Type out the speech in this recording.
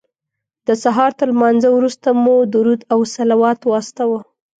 د سهار تر لمانځه وروسته مو درود او صلوات واستاوه.